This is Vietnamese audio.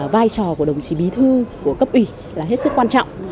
vai trò của đồng chí bí thư của cấp ủy là hết sức quan trọng